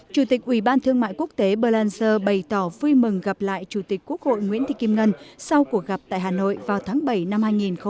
chủ tịch ủy ban thương mại quốc tế berlanger bày tỏ vui mừng gặp lại chủ tịch quốc hội nguyễn thị kim ngân sau cuộc gặp tại hà nội vào tháng bảy năm hai nghìn một mươi chín